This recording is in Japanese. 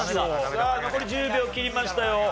さあ残り１０秒切りましたよ。